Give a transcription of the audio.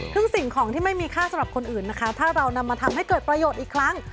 ซึ่งสิ่งของที่ไม่มีค่าสำหรับคนอื่นนะคะถ้าเรานำมาทำให้เกิดประโยชน์อีกครั้ง